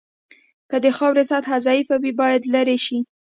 که د خاورې سطحه ضعیفه وي باید لرې شي